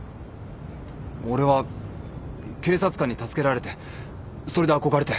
俺は警察官に助けられてそれで憧れて。